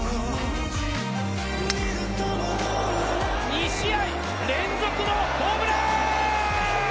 ２試合連続のホームラン！